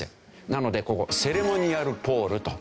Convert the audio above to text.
なのでここセレモニアルポールといわれて。